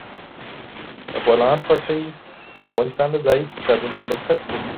د بولان پټي د افغانستان د ځایي اقتصادونو بنسټ دی.